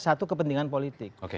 satu kepentingan politik